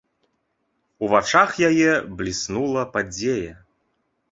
У вачах яе бліснула падзея.